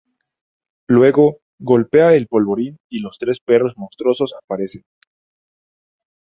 Luego, golpea el polvorín y los tres perros monstruosos aparecen.